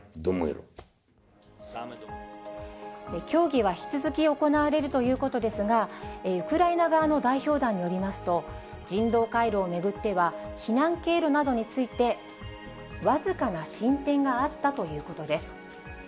協議は引き続き行われるということですが、ウクライナ側の代表団によりますと、人道回廊を巡っては、避難経路などについて、僅かな進展があったということです。